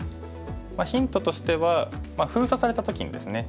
ヒントとしては封鎖された時にですね